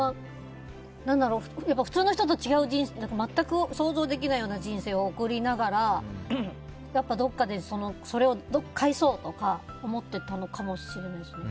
普通の人と違う全く想像できないような人生を送りながら、どこかでそれを返そうとか思ってたのかもしれないですね。